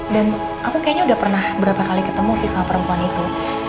dan aku kayaknya udah pernah berapa kali ketemu sama perempuan itu